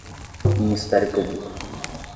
Ministério Público